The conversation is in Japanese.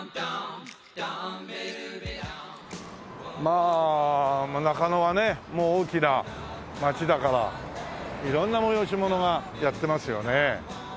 まあ中野はねもう大きな街だから色んな催し物がやってますよね。